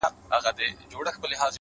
هڅاند زړونه ژر نه ستړي کېږي.!